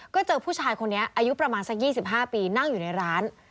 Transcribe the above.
ก็เจอผู้ชายคนนี้อายุประมาณสัก๒๕ปีนั่งอยู่ในร้าน